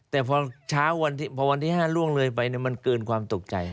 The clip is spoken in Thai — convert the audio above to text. แต่พอเช้าพอวันที่๕ล่วงเลยไปมันเกินความตกใจ